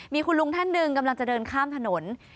มีคุณลุงท่านหนึ่งกำลังจะเดินข้ามถนน